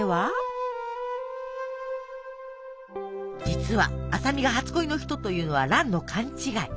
実は麻美が初恋の人というのは蘭の勘違い。